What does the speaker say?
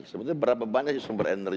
sebetulnya berapa banyak sumber energi